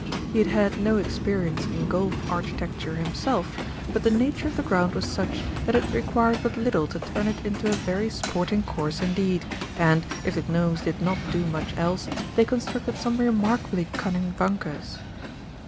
He had had no experience in golf architecture himself, but the nature of the ground was such that it required but little to turn it into a very sporting course indeed, and, if the Gnomes did not do much else, they constructed some remarkably cunning bunkers.